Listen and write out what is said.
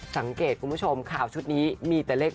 สังเกตคุณผู้ชมข่าวชุดนี้มีแต่เลข๘